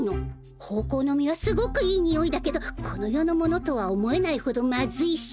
ホーコーの実はすごくいい匂いだけどこの世のものとは思えないほどまずいし。